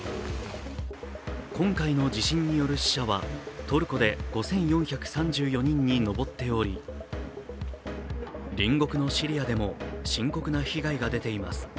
今回の地震による死者はトルコで５４３４人に上っており、隣国のシリアでも、深刻な被害が出ています。